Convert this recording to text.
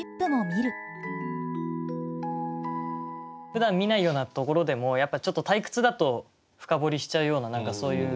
ふだん見ないようなところでもやっぱちょっと退屈だと深掘りしちゃうような何かそういう。